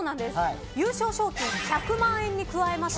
優勝賞金１００万円に加えて。